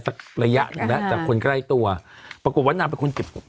ระยะหนึ่งแล้วจากคนใกล้ตัวปรากฏว่านางเป็นคนเก็บ